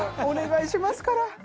お願いしますから。